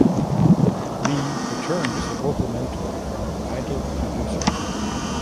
Li returned as the vocal mentor from "Idol Producer".